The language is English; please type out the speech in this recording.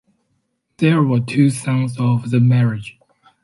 There were two sons of the marriage.